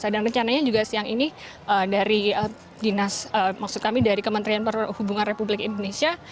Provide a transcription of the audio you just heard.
dan rencananya juga siang ini dari dinas maksud kami dari kementerian perhubungan republik indonesia